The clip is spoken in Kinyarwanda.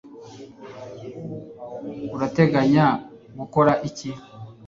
urateganya gukora iki